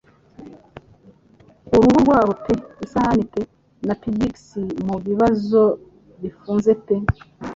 Uruhu rwabo pe isahani pe na pyx mubibazo bifunze pe